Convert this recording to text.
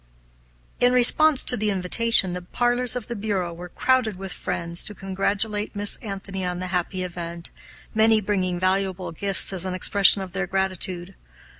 In response to the invitation, the parlors of the bureau were crowded with friends to congratulate Miss Anthony on the happy event, many bringing valuable gifts as an expression of their gratitude.